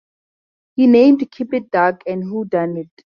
He named "Keep It Dark" and "Who Dunnit?